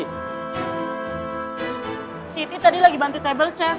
siti tadi lagi bantu meja chef